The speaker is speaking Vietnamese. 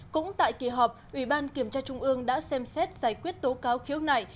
cũng tại kỳ họp ủy ban kiểm tra trung ương đã xem xét giải quyết tố cáo khiếu nại